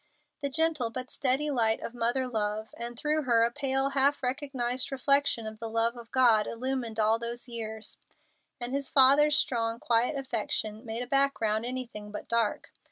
The gentle but steady light of mother love, and through her a pale, half recognized reflection of the love of God, illumined all those years; and his father's strong, quiet affection made a background anything but dark.